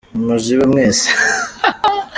Ni muzibe mwese.